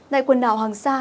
nại quần đảo hoàng sa